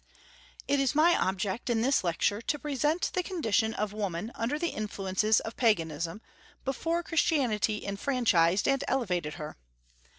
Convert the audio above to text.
It is my object in this lecture to present the condition of woman under the influences of Paganism, before Christianity enfranchised and elevated her.